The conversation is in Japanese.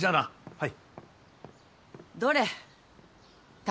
はい。